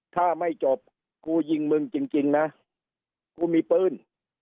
ถ้าไม่จบกูยิงมึงจริงนะกูมีปืน